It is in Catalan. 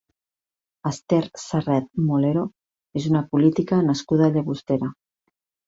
Esther Sarret Molero és una política nascuda a Llagostera.